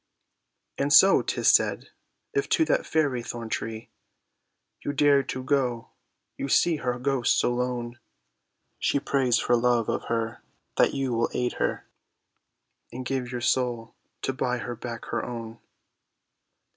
And so, 'tis said, if to that fairy thorn tree You dare to go, you see her ghost so lone, She prays for love of her that you will aid her, And give your soul to buy her back her own.